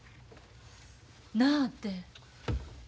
なあて。